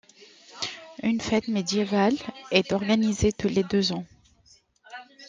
Une fête médiévale est organisée tous les deux ans.